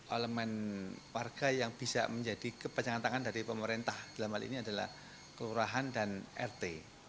elemen warga yang bisa menjadi kepenjangan tangan dari pemerintah dalam hal ini adalah kelurahan dan rt